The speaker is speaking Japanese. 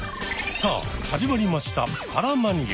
さあ始まりました「パラマニア」。